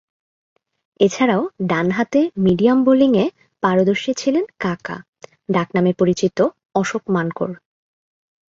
এছাড়াও, ডানহাতে মিডিয়াম বোলিংয়ে পারদর্শী ছিলেন ‘কাকা’ ডাকনামে পরিচিত অশোক মানকড়।